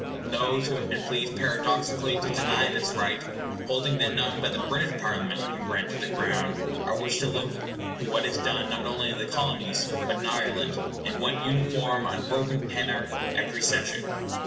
Those who have been pleased paradoxically to deny this right, holding that none but the British Parliament can grant to the Crown, are wished to look to what is done, not only in the Colonies, but in Ireland, in one uniform unbroken tenor every session.